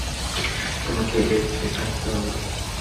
তোমাকে বেঁচে থাকতে হবে!